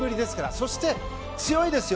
そして強いですよ。